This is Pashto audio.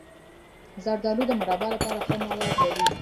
زردالو د مربا لپاره ښه مواد لري.